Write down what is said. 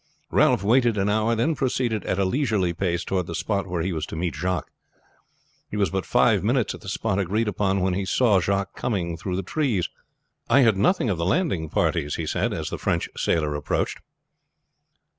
Ralph waited an hour, and then proceeded at a leisurely pace toward the spot where he was to meet Jacques. He was but five minutes at the spot agreed upon when he saw him coming through the trees. "I heard nothing of the landing parties," he said as the French sailor approached.